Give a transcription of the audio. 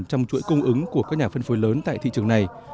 trong chuỗi cung ứng của các nhà phân phối lớn tại thị trường này